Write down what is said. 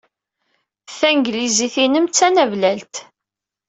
Tanglizit-nnem d tanablalt.